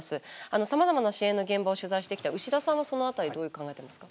さまざまな支援の現場を取材してきた牛田さんはその辺りどう考えてますか？